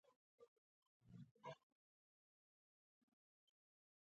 د تیلو شګې یوه لویه سرچینه ده.